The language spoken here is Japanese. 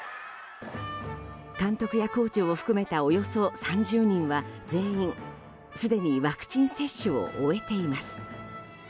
監督やコーチを含めたおよそ３０人は全員、すでにワクチン接種を終えています。